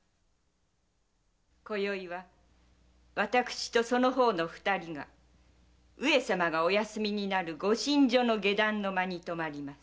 今宵は私とその方の二人が上様がお休みになる御寝所の下段の間に泊まります。